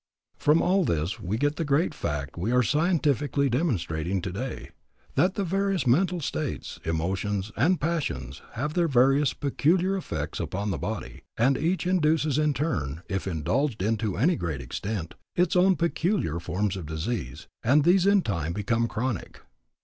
From all this we get the great fact we are scientifically demonstrating today, that the various mental states, emotions, and passions have their various peculiar effects upon the body, and each induces in turn, if indulged in to any great extent, its own peculiar forms of disease, and these in time become chronic.